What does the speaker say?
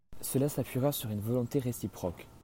Cela s’appuiera sur une volonté réciproque.